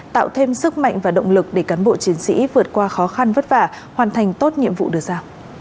tạo thêm sức mạnh và động lực để cán bộ chiến sĩ vượt qua khó khăn vất vả hoàn thành tốt nhiệm vụ được giao